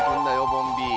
ボンビー。